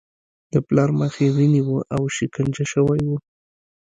د پلار مخ یې وینې و او شکنجه شوی و